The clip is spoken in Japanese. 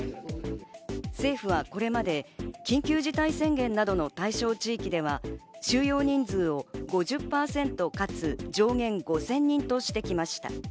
政府はこれまで、緊急事態宣言などの対象地域では収容人数を５０％かつ、上限５０００人としてきました。